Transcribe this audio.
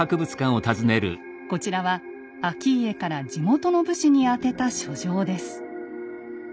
こちらは顕家から地元の武士に宛てた書状です。